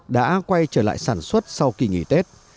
đã quay trở lại sản xuất sau kỳ nghỉ tết